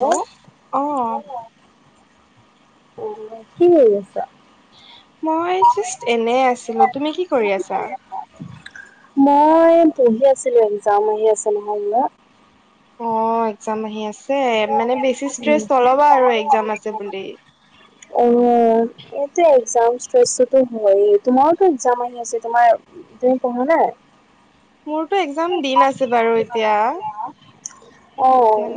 Hello অ' কি কৰি আছা? মই জাষ্ট এনে আছিলো তুমি কি কৰি আছা? মই পঢ়ি আছিলো একজাম আহি আছে নহয় ইয়াত অ একজাম আহি আছে মানে বেছি ষ্ট্ৰেচ নল'বা আৰু একজাম আছে বুলি উম এইটোৱেই চাঞ্চ লৈছো দেই হেই তোমাকো টো একজাম আহি আছে তোমাৰ তুমি পঢ়া নাই মোৰটো একজাম দিন আছে বাৰু এতিয়া অ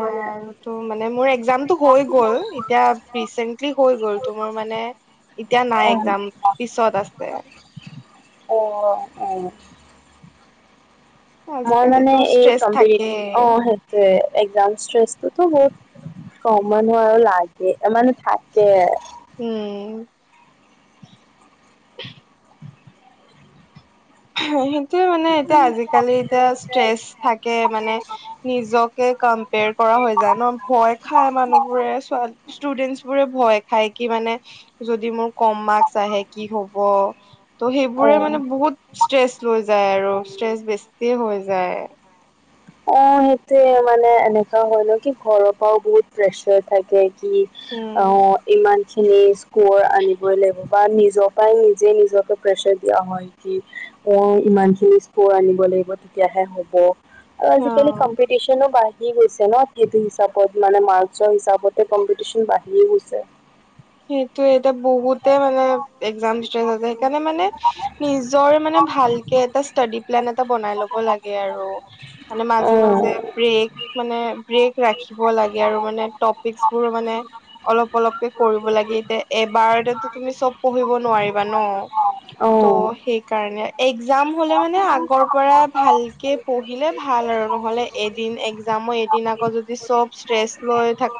মানে ত মানে মোৰ একজামটো হৈ গ'ল এতিয়া ৰিচেন্টলি হৈ গল তোমাৰ মানে এতিয়া নাই অ', একজাম পিছত আছে অ অ মই মানে আজিকালিতো এই ষ্ট্ৰেচ কম্পেটিটিভ থাকেই অ সেইটোৱে একজামছ ষ্ট্ৰেচ এইতো বহুত সমান আৰু লাগে [unintelligible] মানে থাকে উম সেইটোয়ে মানে এতিয়া আজিকালি এতিয়া ষ্ট্ৰেচ থাকে মানে নিজকে কম্পেয়াৰ কৰা হৈ যায় ন ভয় খাই মানুহবোৰে ছোৱালী ষ্টুডেণ্টছ বোৰে ভয় খাই কি মানে যদি মোৰ কম মাৰ্কচ আহে কি হ'ব ত' সেইবোৰে অ'। মানে বহুত ষ্ট্ৰেচ লৈ যায় আৰু ষ্ট্ৰেচ বেছিয়ে হৈ যায় অ সেইটোয়ে মানে এনেকাও হয় ন কি ঘৰৰ পৰাও বহুত প্ৰেচাৰ থাকে কি উম অ ইমানখিনি স্কৰ আনিবই লাগিব বা নিজক পাইও নিজে নিজকে প্ৰেছাৰ দিয়া হয় কি মই ইমানখিনি স্কোৰ আনিব লাগিব তেতিয়াহে হ'ব অ আজিকালি কম্পিটিচনো বাঢ়ি গৈছে ন সেইটো হিচাপত মানে মাৰ্কচৰ হিচাপতে কম্পিটিচন বাঢ়িয়ে গৈছে সেইটোৱে এতিয়া বহুতে মানে এক্জাম ষ্ট্ৰেচ আছে সেইকাৰণে মানে নিজৰ মানে ভালকে এটা ষ্টাডি প্লেন এটা বনাই ল'ব লাগে আৰু মানে মাজে মাজে ব্ৰেক মানে ব্ৰেক ৰাখিব লাগে আৰু মানে টপিকচ বোৰ মানে অলপ অলপকে অ'। লব লাগে এতিয়া অ', এবাৰতে তুমি চব পঢ়িব নোৱাৰিবা ন ত সেই কাৰণে এক্জাম হলে মানে আগৰ পৰা ভাল কি পঢ়িলে ভাল আৰু নহলে এদিন এক্জামৰ এদিন আগত যদি চব ষ্ট্ৰেচ লৈ থাক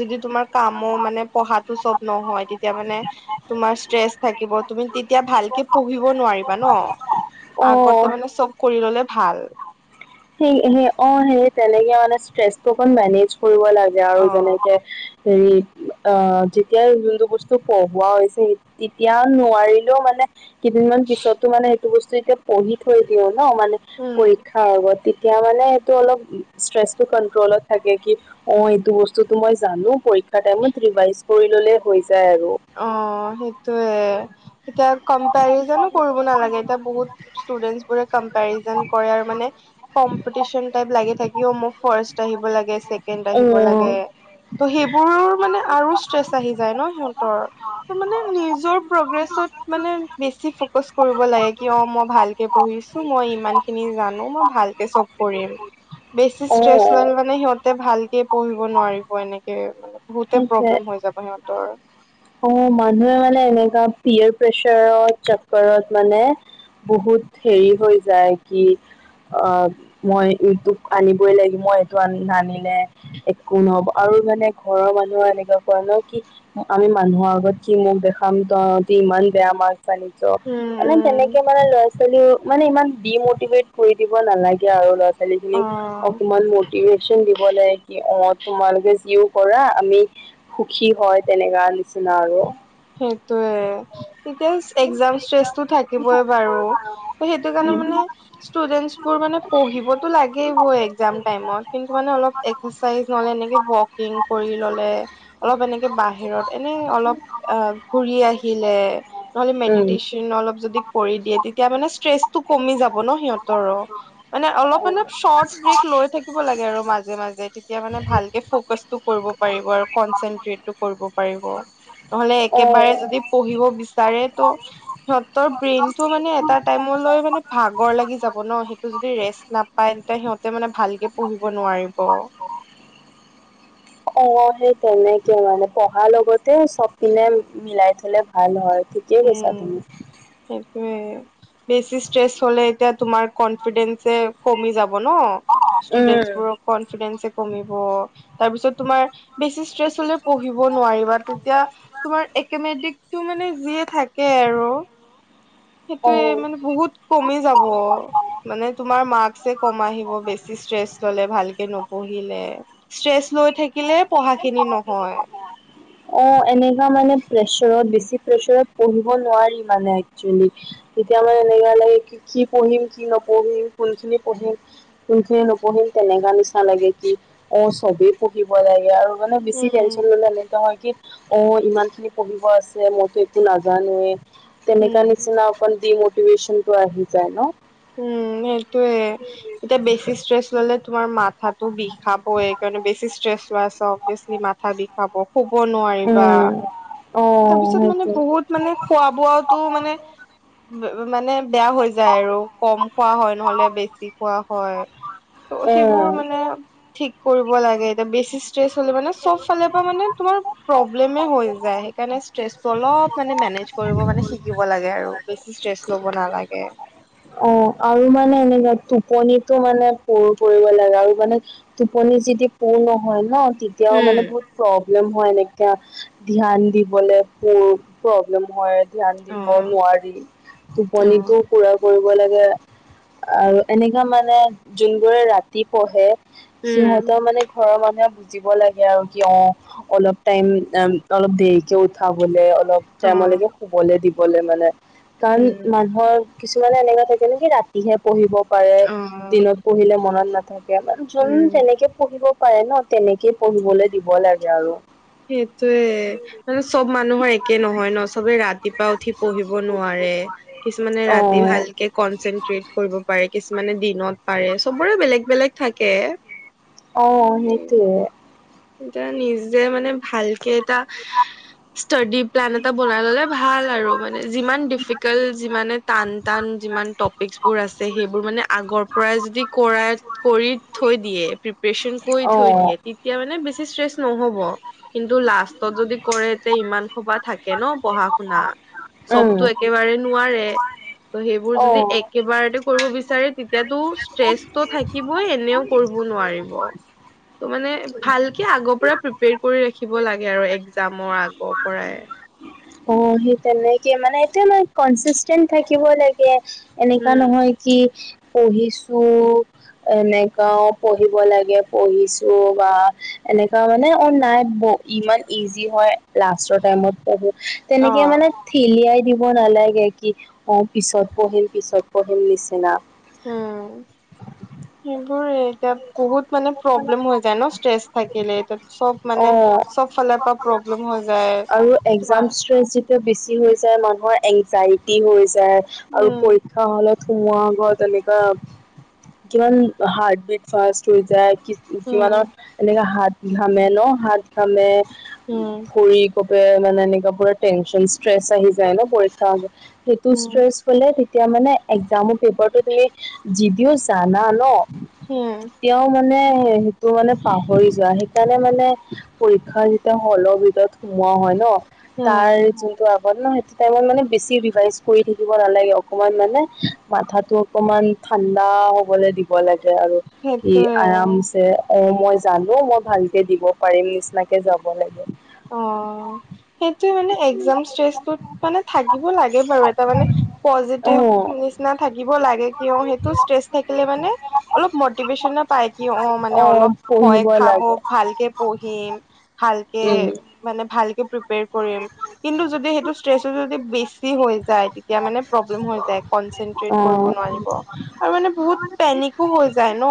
যদি তোমাৰ কামো মানে পঢ়াতো চব নহয় তেতিয়া মানে তোমাৰ ষ্ট্ৰেচ থাকিব তুমি তেতিয়া ভালকে পঢ়িব নোৱাৰিবা ন অ [unintelligible] মানে চব কৰি ললে ভাল। সেই সেই অ সেই তেনেকে মানে ষ্ট্ৰেচটো অকন মেনেজ কৰিব লাগে আৰু অ যেনেকে হেৰি অ যেতিয়াই যোনটো বস্তু পঢ়োৱা হৈছে সে তেতিয়া নোৱাৰিলেও মানে কেইদিনমান পিছতো মানে এইটো বস্তু এতিয়া পঢ়ি থৈ দিওঁ ন মানে উম পৰীক্ষাৰ আগত তেতিয়া মানে এইটো অলপ ষ্ট্ৰেছটো কণ্ট্ৰলত থাকে কি অ এইটো বস্তুতো মই জানো পৰীক্ষাৰ টাইমত ৰিভাইজ কৰি ললে হৈ যায় আৰু। অ সেইটোয়ে এতিয়া কম্পেৰিজনো কৰিব নালাগে এতিয়া বহুত ষ্টুডেন্টচ বোৰে কম্পেৰিজন কৰে আৰু মানে কম্পিটিচন টাইপ লাগি থাকিও মোক ফাৰ্ষ্ট আহিব লাগে ছেকেণ্ড অ', আহিব লাগে। ত' সেইবোৰো মানে আৰু ষ্ট্ৰেচ আহি যায় ন সিহঁতৰ। মানে নিজৰ প্ৰগ্ৰেছত মানে বেছি ফকাচ কৰিব লাগে কিয় মই ভালকে পঢ়িছো মই ইমান খিনি জানো মই ভালকে চব কৰিম বেছি ষ্ট্ৰেচ অ', লৈ মানে সিহঁতে ভালকে পঢ়িব নোৱাৰিব এনেকে মানে বহুতে সেইটোৱে প্ৰব্লেম হৈ যাব সিহঁতৰ অ মানুহে মানে এনেকা পিয়েৰ প্ৰেচাৰত চক্ৰৰত মানে বহুত হেৰি হৈ যায় কি আ মই ইউটিউব আনিবই লাগিব, মই এইটো আনি নানি লে একো নহব আৰু মানে ঘৰৰ মানুহৰ এনেকুৱা কয় ন কি আমি মানুহৰ আগত কি মুখ দেখাম তহতি ইমান বেয়া মাৰ্ক [unintelligible] উম মানে উম তেনেকে মানে ল [unintelligible] মানে ইমান ডিমটিভেট কৰি দিব নালাগে আৰু ল'ৰা অ ছোৱালীখিনিক। অকমান মটিভেশ্যন দিব লাগে কি অ তোমালোকে যিও কৰা আমি সুখী হয় তেনেকা নিচিনা আৰু। সেইটোয়ে এতিয়া একজাম ষ্ট্ৰেচটো থাকিবই বাৰু ত 'সেইটো কাৰণে মানে ষ্টুডেন্টচবোৰ মানে পঢ়িবতো লাগিবই একজাম টাইমত কিন্তু মানে অলপ [unintelligible] [unintelligible] ন'হলে এনেকে ৱকিং কৰি ল'লে, অলপ এনেকে বাহি হিৰত এনে অলপ আ ঘুৰি আহিলে ন'হলে মেদিটেছ [unintelligible] অলপ যদি কৰি দিয়ে তেতিয়া মানে ষ্ট্ৰেচটো কমি যাব ন সিহঁতৰো। মানে অলপ মানে চৰ্তব্ৰেক লৈ থাকিব লাগে আৰু মাজে মাজে তেতিয়া মানে ভালকে ফ'কাছটো কৰিব পাৰিব আৰু কনচেনট্ৰেটটো কৰিব পাৰিব। ন'হলে একেবাৰে যদি পঢ়িব বিচাৰে ত' সিহঁতৰ ব্ৰেইনটো মানে এটা টাইমলৈ মানে ভাগৰ লাগি যা [unintelligible] সেইটো যদি ৰেষ্ট নাপাই তেতিয়া সিহঁতে মানে ভালকে পঢ়িব নোৱাৰিব। অ সেই তেনেকে মানে পঢ়াৰ লগতে চব পিনে মিলাই থ'লে ভাল হয়। ঠিকেই কৈছা উম, তুমি সেইটোয়ে বেছি ষ্ট্ৰেছ হ'লে এতিয়া তোমাৰ কনফিডেন্সে কমি যাব ন, উম ষ্টুডেন্টচবোৰক কনফিডেন্সে কমিব তাৰপিছত তোমাৰ বেছি ষ্ট্ৰেছ হলে পঢ়িব নোৱাৰিবা তেতিয়া তোমাৰ একেমেটিকটো মানে যিয়ে থাকে আৰু। অ সেইটোয়ে মানে বহুত কমি যাব মানে তোমাৰ মা চে কম আহিব বেছি ষ্ট্ৰেছ ল'লে ভালকে নপঢ়িলে ষ্ট্ৰেছ লৈ থাক কিলে পঢ়াখিনি নহয়। অ এনেকা মানে প্ৰেছাৰত বেছি প্ৰেছাৰত পঢ়িব নোৱাৰি মানে একচুৱেলি। তেতিয়া মানে এনেকোৱা লাগে কি কি পঢ়িম কি নপঢ়িম কোনখিনি পঢ়িম? কোনখিনি নপঢ়িম তেনেকা নিচিনা লাগে। অঁ চবেই পঢ়িব লাগে আৰু মানে বেছি উম টেনশ্যন ললে মানে হয় কি অ ইমান খিনি পঢ়িব আছে মইতো একো নাজানোৱে। তেনেকা উম নিচিনা অকল ডিমটিভেশনটো আহি যায় ন। উম সেইটোৱে এতিয়া বেছি ষ্ট্ৰেছ ললে তোমাৰ মা থাতো বিষাব সেইকাৰণে বেছি ষ্ট্ৰেছ অভিয়াচলি মাথা বি ষাব শুব নোৱাৰিবা। উম অ তাৰপিছত মানে সেইটোৱে বহুত মানে খোৱা বোৱাতো মানে ব মানে বেয়া হৈ যায় আৰু কম খোৱা হয় নহলে বেছি খোৱা হয়, ত' সেইবোৰ উম মানে ঠিক কৰিব লাগে এতিয়া বেছি ষ্ট্ৰেছ হ'লে মানে চব ফালে পৰা মানে তোমাৰ প্ৰব্লেমে হৈ যায়। সেইকাৰণে ষ্ট্ৰেচটো অলপ মানে মেনেজ কৰিব মানে শিকিব লাগে আৰু বেছি ষ্ট্ৰেচ ল'ব নালাগে। অঁ আৰু মানে এনেকে টোপনিতো মানে পুৰ কৰিব লাগে আৰু মানে টোপনি যেতিয়া পুৰ নহয় ন তেতিয়াও মানে উম বহুত প্ৰব্লেম হয়, এনেকা ধ্যান দিবলে প্ৰ প্ৰব্লেম হয়। ধ্যান অ দিব নোৱাৰি অ টোপনিটো পুৰা কৰিব লাগে আৰু এনেকা মানে যোনবোৰে ৰাতি পঢ়ে উম সিহঁতৰ মানে ঘৰৰ মানুহে বুজিব লাগে আৰু কিয় অলপ টাইম আম অলপ দেৰিকে উঠাবলে অলপ অ টাইমলৈকে শুবলৈ দিবলে মানে, কাৰণ উম মানুহৰ কিছুমানে এনেকা থাকে নেকি ৰা তিহে পঢ়িব পাৰে, অ দিনত পঢ়িলে মনত নাথাকে মানে যোন উম যেনেকে পঢ়িব পাৰে ন, তেনেকেই পঢ়িবলে দিব লাগে আৰু। সেইটোৱে। মানে চব মানুহৰ একে নহয় ন, চবে ৰাতিপুৱা উঠি পঢ়িব নোৱাৰে। কিছুমানে ৰাতি অঁ ভাল কে, কনচেনট্ৰেট কৰিব পাৰে কিছুমানে দিনত পাৰে চবৰে বেলেগ বেলেগ থাকে। অঁ উম সেইটোৱে। এতিয়া নিজে মানে ভালকে এটা ষ্টাডি প্লেন এটা বনাই ললে ভাল আৰু মানে যিমান ডিফিকাল্ট যিমানে টান টান যিমান টপিকছ বোৰ আছে সেইবোৰ মানে আগৰ পৰাই যদি কৰা কৰি থৈ দিয়ে, প্ৰিপেৰচন কৰি থৈ অঁ দিয়ে। মানে বেছি ষ্টেজ নহব, কিন্তু লাভ কষ্ট যদি কৰে তে ইমান হুপা বা থাকে ন পঢ়া শুনা, চবতো উম এ কেবাৰে নোৱাৰে। ত' সেইবোৰ অ যদি এক একেইবাৰতে কৰিব বিচাৰে তেতিয়াতো ষ্ট্ৰেচটো থাকিবই এনেও কৰিব নোৱাৰিব। তো মানে ভালকে আগৰ পৰাই প্ৰিপেয়াৰ কৰি ৰাখিব লাগে আৰু এক্সামৰ আগৰ পৰাই। অঁ, সেই তেনেকে মানে এইটোয়ে মই কনচিষ্টেণ্ট থাকিব লাগে এনেকা উম নহয়। কি পঢ়িছো, এনেকায়ো পঢ়িব লাগে পঢ়িছো বা এনেকা মানে অঁ নাই ইমান ইজি হয় লাষ্টৰ টাইমত পঢ়ো, অ তেনেকে মানে ঠেলিয়াই দিব নালাগে, কি অঁ পিছত পঢ়িম পিছত পঢ়িম নিচিনা। উম, সেইবোৰে এতিয়া বহুত মানে প্ৰব্লেম হৈ যায় ন ষ্ট্ৰেছ থাকিলে, তাত চব মানে অ চব ফালৰ পৰা প্ৰব্লেম হৈ যায়, তোমাৰ! টো বেছি হৈ যায় মানুহৰ এংজাইটি। হৈ যায় আৰু উম পৰীক্ষা হলত সোমোৱাৰ আগত তেনেকুৱা, কিমান! হাৰ্ট বিট ফাষ্ট হৈ যায় কি, কিমানৰ উম এনেকা হাত ঘামে। ন হাত ঘামে, উম ভৰি! বহুতে মানে এনেকা পুৰা টেনচন ষ্ট্ৰেচ আহি যায় ন পৰীক্ষা হলত সেইটো উম ষ্ট্ৰেচ। ফলে তেতিয়া মানে একজামৰ পেপাৰতটো তুমি যদিও জানা ন? হম এতিয়াও মানে সেইটো মানে পাহৰি যোৱা সেইকাৰণে। এনে মানে পৰীক্ষা যেতিয়া হলৰ ভিতৰত সোমোৱা হয় ন তাৰ উম য! ন সেইটো টাইমত মানে বেছি ৰিভাইজ কৰি থাকিব নালাগে অকমান মানে মাথাটো! অকমান ঠাণ্ডা হ'বলে দিব লাগে আৰু কি সেইটোৱে আৰামছে। অ মই জানো মই ভালকে দিব পাৰিম নিচিনাকে য। অ সেইটোয়ে মানে একজাম ষ্ট্ৰেচত মানে থাকিব লাগে বাৰু এটা মানে! অ পজেতিভ নিচিনা থাকিব লাগে কিয় সেইটো ষ্ট্ৰেচ থাকিলে মানে! অলপ মটিভেশচনো পাই কি অ মানে অলপ ভয় পঢ়িব খাব লাগে ভালকে! পঢ়িম ভালকে উম মানে ভালকে প্ৰে। প্ৰিপেয়াৰ কৰিম কিন্তু সেইটো ষ্ট্ৰেচটো যদি বেছি হৈ যায়। তেতিয়া মানে অঁ প্ৰব্লেম অঁ। হৈ যায় কনচেট্ৰেত কৰিব নোৱাৰিব আৰু মানে বহুত পেনিক! কও হৈ যায় ন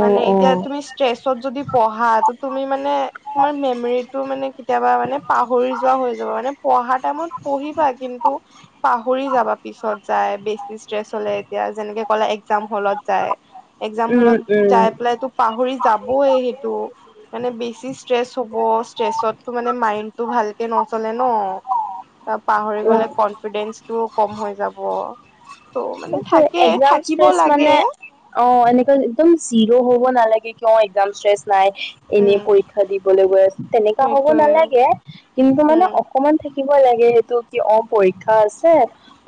মানে এতিয়া তুমি! ষ্ট্ৰেচত যদি পঢ়া ত তুমি মানে তোমাৰ মেমৰি! টো মানে কেতিয়াবা মানে পাহৰি যোৱা হৈ যাব মানে পঢ়া টাইমত পঢ়িবা কিন্তু! পাহৰি যাবা পিছত যাই বেছি ষ্ট্ৰেছ হলে এতিয়া যেনেকে কলা একজাম হলত। হলত যাই, এক্সাম উম হল ত উম যাই পেলাই তো। পাহৰি যাবই সেইটো মানে বেছি ষ্ট্ৰেচ হ'ব ষ্ট্ৰেচত মানে মাইড। তো ভালকে নচলে ন। পাহৰি উম। গ'লে কনফিডেন্সটো ও কম হৈ যাব। ত' মানে সেইটোৱে থাকে, থাকিব লাগে। অঁহ ', এনেকুৱা একদম জিৰো হ'ব নালাগে ন এক্সাম ষ্ট্ৰেচ নাই। এনেই উম পৰীক্ষা দিবলৈ গৈ আছোঁ তেনেকুৱা হ'ব সেইটোৱে নালাগে, কিন্তু মানে! উম অকণমান থাকিব লাগে সেইটো কি' অ পৰীক্ষা আছে।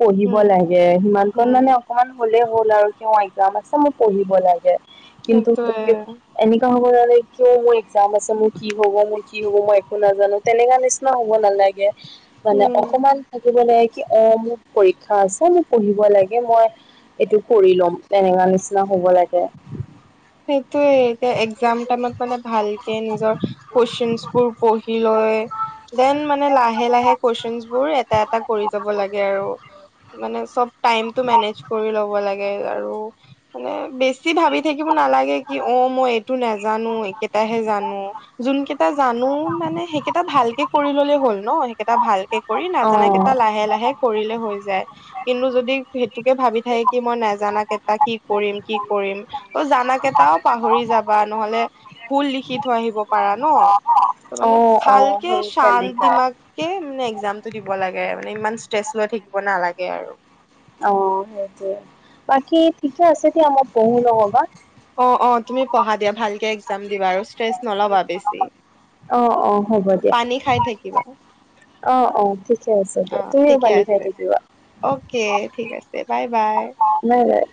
পঢ়িব উম লাগে, সিমান কণ উম মানে! অকণমান হ'লেই হ'ল আৰু কিয় এক্জাম আছে মোৰ মই পঢ়িব লাগে কিন্তু! সেইটোৱে এনেকুৱা হ'ব নালাগে, কিয় মোৰ এক্জাম আছে মোৰ কি হ'ব, মোৰ কি হ'ব, মই একো নাজানো তেনেকুৱা নিচিনা হ'ব! হব নালাগে মানে উম, অকণমান! থাকিব লাগে কি' অঁহ', মোৰ পৰীক্ষা আছে মোক পঢ়িব লাগে মই! এইটো কৰি ল'ম তেনেকুৱা নিচিনা হ'ব লাগে। সেইটোয়েই এতিয়া এক্জাম টাইমত মানে ভালকে নিজৰ কুৱেশ্যন বোৰ পঢ়ি লৈ! দেন মানে লাহে-লাহে কুৱেশ্যন বোৰ এটা-এটা কৰি যাব লাগে আৰু! মানে চ'ব টাইমটো মেনেজ কৰি ল'ব লাগে আৰু মানে বেছি! বেছি ভাবি থাকিব নালাগে কি' অঁ', মই এইটো নাজানো, এইেকেটাহে জানো। যোনকেইটা জানো মানে সেইকেইটা ভালকে কৰি ল'লে হ'ল ন' সেইকেইটা ভালকে! কৰি অ নাজানা কেইটা লাহে-লাহে! কৰিলেই হৈ যায় কিন্তু যদি সেইটোকে ভাবি থাকি কি' মই নাজানা কেইটাক! কি কৰিম, কি কৰিম। ত' জানা কেইটাও পাহৰি যাবা ন'হলে ভুল লিখি থৈ আহিব পাৰা ন। ত' মানে অ অ ভালকে সেই শান্ত দিমাগ তেনেকুৱাই সেই মানে এক্সামটো দিব লাগে মানে ইমান ষ্ট্ৰেচ লৈ থাকিব নালাগে আৰু। অঁ, সেইটোৱে। বাকী ঠিকে আছে দিয়া, মই পঢ়ো ন'হবা। অঁ অঁ তুমি পঢ়া দিয়া ভালকে এক্জাম দিবা আৰু ষ্ট্ৰেছ নল'বা বেছি। অ', পানী খাই থাকিবা। অঁ অঁ ঠিকে আছে অ দিয়া। তুমিও ঠিকে পানী খাই আছে থাকিবা। অ'কে, ঠিক আছে বাই-বাই। Bye bye.